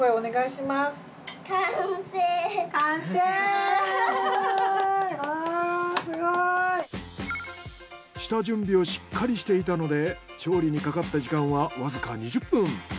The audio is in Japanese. すごい。下準備をしっかりしていたので調理にかかった時間はわずか２０分。